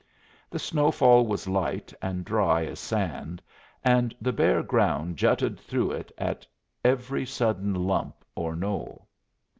The snowfall was light and dry as sand, and the bare ground jutted through it at every sudden lump or knoll.